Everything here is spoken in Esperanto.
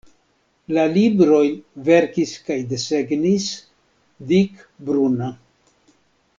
La librojn verkis kaj desegnis Dick Bruna.